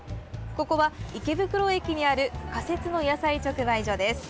ここは池袋駅にある仮設の野菜直売所です。